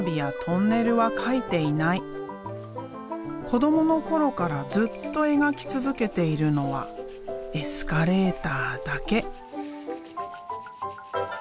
子どもの頃からずっと描き続けているのはエスカレーターだけ。